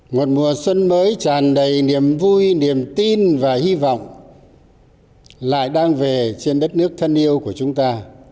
một mùa xuân mới tràn đầy niềm vui niềm tin và hy vọng lại đang về trên đất nước thân yêu của chúng ta